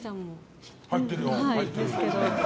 入ってるよ。